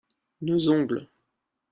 Nos ongles.